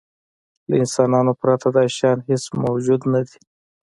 له انسانانو پرته دا شیان هېڅ موجود نهدي.